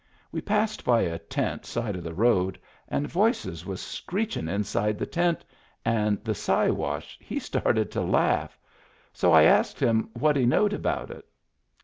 We passed by a tent 'side of the road, and voices was screechin* inside the tent, and the Siwash he started to laugh. So I asked him what he knowed about it.